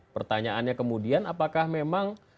pertanyaannya kemudian apakah memang